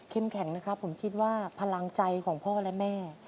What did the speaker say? แข็งนะครับผมคิดว่าพลังใจของพ่อและแม่